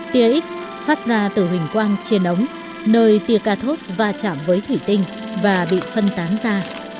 tia x phát ra từ hình quang trên ống nơi tia cathos va chạm với thủy tinh và bị phân tán ra